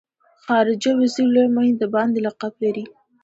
خارجه وزیر لوی معین د باندې لقب لري.